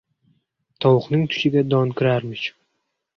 • Tovuqning tushiga don kirarmish.